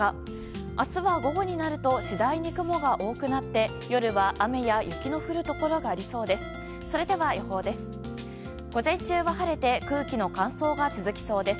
明日は午後になると次第に雲が多くなって夜は雨や雪の降るところがありそうです。